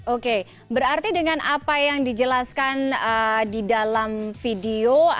oke berarti dengan apa yang dijelaskan di dalam video atau apa yang ditulis di video ini